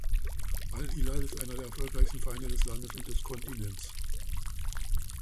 Al-Hilal ist einer der erfolgreichsten Vereine des Landes und des Kontinents.